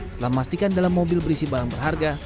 setelah memastikan dalam mobil berisi barang berharga